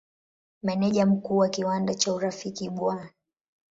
Meneja Mkuu wa kiwanda cha Urafiki Bw.